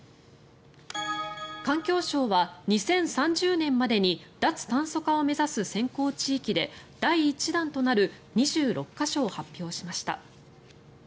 環境省は２０３０年までに脱炭素化を目指す先行地域で第１弾となる２６か所を発表しました。